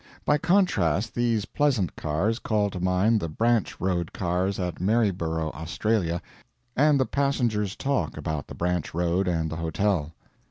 By contrast, these pleasant cars call to mind the branch road cars at Maryborough, Australia, and the passengers' talk about the branch road and the hotel.